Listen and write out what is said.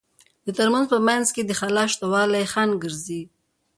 د ترموز په منځ کې د خلاء شتوالی خنډ ګرځي.